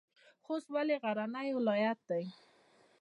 خوست ولې غرنی ولایت دی؟